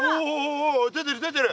おお出てる出てる！